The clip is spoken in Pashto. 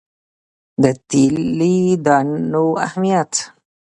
د تیلي دانو اهمیت.